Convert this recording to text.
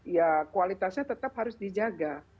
ya kualitasnya tetap harus dijaga